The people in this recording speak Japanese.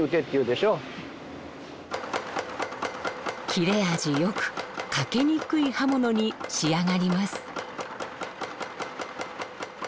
切れ味よく欠けにくい刃物に仕上がります。